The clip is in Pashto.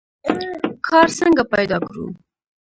کار څنګه پیدا کړو؟